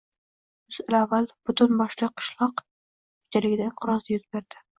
Yuz yil avval butun dunyo qishloq xo‘jaligida inqiroz yuz berdi